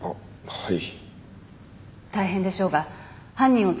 はい。